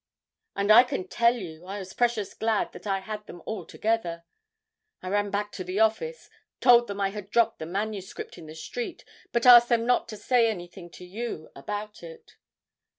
And I can tell you I was precious glad that I had them all together. I ran back to the office, told them I had dropped the manuscript in the street, but asked them not to say anything to you about it.